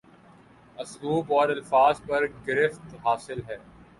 اسلوب اور الفاظ پر گرفت حاصل ہے